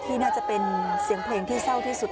น่าจะเป็นเสียงเพลงที่เศร้าที่สุด